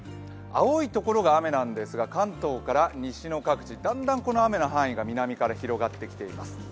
青いところが雨なんですが関東から西の各地、だんだん雨の範囲が南から広がってきています。